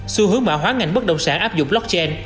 xu hướng mạo hóa ngành bất động sản áp dụng blockchain